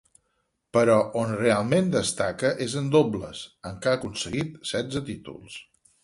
Però on realment destaca és en dobles, en què ha aconseguit setze títols.